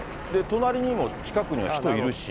隣にも近くには人いるし。